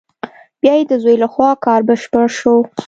بیا یې د زوی له خوا کار بشپړ شو.